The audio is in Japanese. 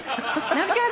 直美ちゃん